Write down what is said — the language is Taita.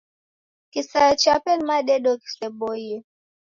Kisaya chape ni madedo ghiseboie.